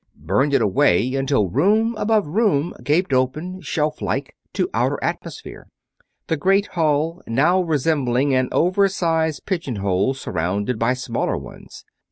Burned it away until room above room gaped open, shelf like, to outer atmosphere; the great hall now resembling an over size pigeon hole surrounded by smaller ones.